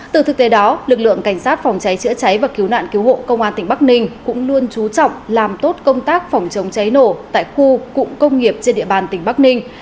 từ thực tế đó lực lượng cảnh sát phòng cháy chữa cháy và cứu nạn cứu hộ công an tỉnh bắc ninh cũng luôn chú trọng làm tốt công tác phòng chống cháy nổ tại khu cụm công nghiệp trên địa bàn tỉnh bắc ninh